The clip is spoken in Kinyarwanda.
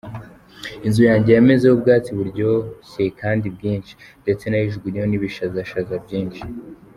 Inzu yanjye yamezeho ubwatsi buryoshye kandi bwinshi, ndetse nayijugunyeho n'ibishazashaza byinshi.